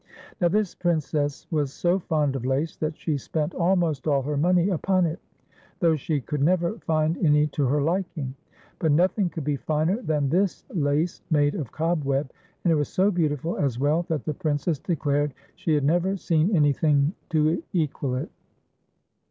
Now, this Princess was so fonJ of lace that .she spent almost all her money upon it, though she could never find any to her liking ; but nothing could be finer than this lace made of cobweb, and it was so beautiful as well, that the Princess declared she had never seen anything to equal it.